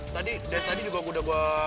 tadi dari tadi juga udah gue